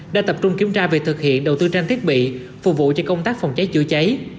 đã tập trung kiểm tra việc thực hiện đầu tư trang thiết bị phục vụ cho công tác phòng cháy chữa cháy